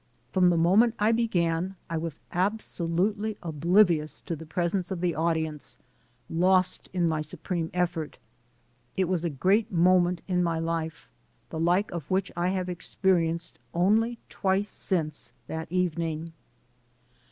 From the moment I began, I was absolutely oblivious to the presence of the audience, lost in my supreme effort. It was a great moment in my life, the like of which I have experienced only twice since that evening.